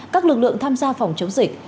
các lực lượng tham gia phòng chống dịch